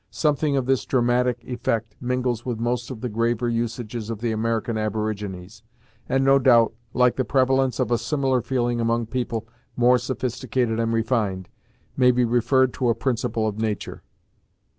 Something of this dramatic effect mingles with most of the graver usages of the American aborigines, and no doubt, like the prevalence of a similar feeling among people more sophisticated and refined, may be referred to a principle of nature.